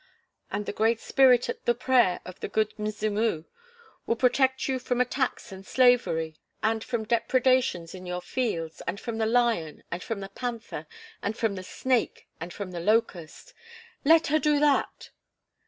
"And the Great Spirit at the prayer of the 'Good Mzimu' will protect you from attacks and slavery and from depredations in your fields and from the lion and from the panther and from the snake and from the locust " "Let her do that."